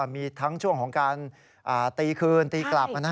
มีทั้งช่วงของการตีคืนตีกลับ